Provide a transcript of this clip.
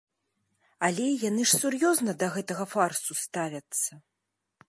Але яны ж сур'ёзна да гэтага фарсу ставяцца.